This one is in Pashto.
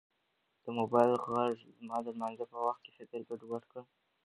د موبایل غږ زما د لمانځه په وخت کې فکر ګډوډ کړ.